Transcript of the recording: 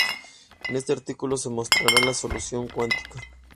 En este artículo se mostrará la solución cuántica.